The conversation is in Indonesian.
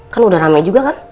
kan udah ramai juga kan